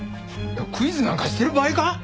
クイズなんかしてる場合か？